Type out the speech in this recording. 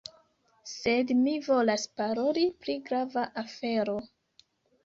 Sed mi volas paroli pri grava afero.